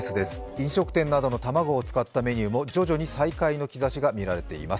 飲食店などの卵を使ったメニューも徐々に再開の兆しがみられています。